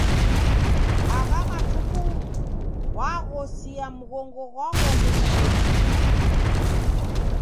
Agha matuku waghosia mghongo ghwaghomekie putu.